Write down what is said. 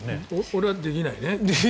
俺はできないね。